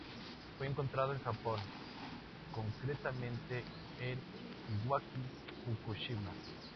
Fue encontrado en Japón, concretamente en Iwaki, Fukushima.